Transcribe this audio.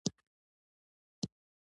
هر ډول او د هر قوم خلک تر سترګو کېدل.